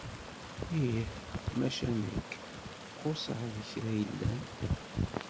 Ih macca nekk xuṣeɣ deg kra yellan.